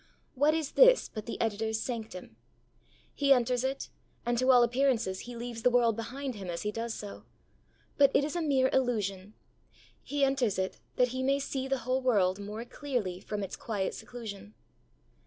What is this but the editor's sanctum? He enters it and, to all appearances, he leaves the world behind him as he does so. But it is a mere illusion. He enters it that he may see the whole world more clearly from its quiet seclusion.